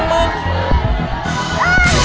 ไม่ออกไปเลย